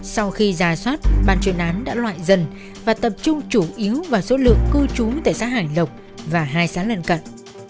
sau khi ra soát ban chuyên án đã loại dần và tập trung chủ yếu vào số lượng cư trú tại xã hải lộc và hai xã lần cận